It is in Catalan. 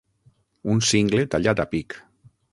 Un cingle tallat a pic.